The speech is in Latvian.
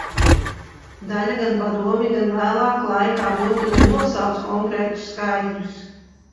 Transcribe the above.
Daļa gan padomju, gan vēlāka laika avotu nenosauc konkrētus skaitļus.